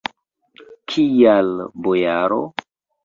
Kial, bojaro?